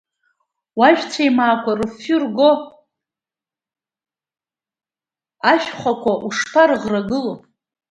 Уажәцәеимаақәа рыфҩы рго, ашәхақәа ушԥарыӷ-рагылоу!